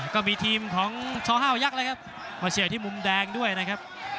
ก็มีทีมของชห้าวยักษ์เลยครับมาเชียร์ที่มุมแดงด้วยนะครับ